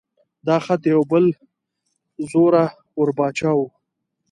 دا خط د یو بل زوره ور باچا و.